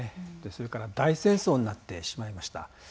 それから大戦争になってしまいました。